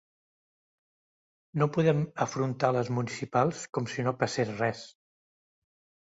No podem afrontar les municipals com si no passés res.